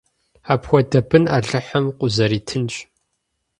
Апхуэдэ бын Алыхьым къузэритынщ!